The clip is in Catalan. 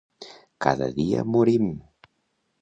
Cada dia morim.